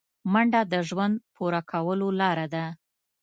منډه د ژوند پوره کولو لاره ده